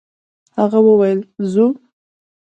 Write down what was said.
هغه وويل: «ځو!»